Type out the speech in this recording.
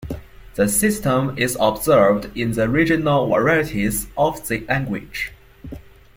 The system is observed in regional varieties of the language.